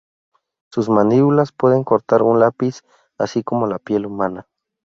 Sus mandíbulas pueden cortar un lápiz, así como la piel humana.